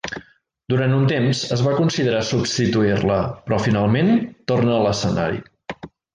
Durant un temps es va considerar substituir-la, però finalment torna a l'escenari.